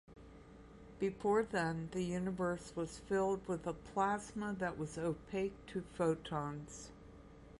Before then, the Universe was filled with a plasma that was opaque to photons.